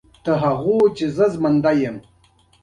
اسمعيل خان ديره